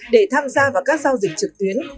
để tham gia vào các giao dịch trực tuyến